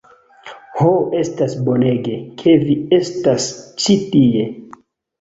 "Ho, estas bonege ke vi estas ĉi tie.